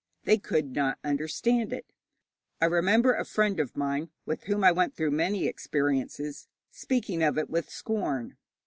They could not understand it. I remember a friend of mine with whom I went through many experiences speaking of it with scorn.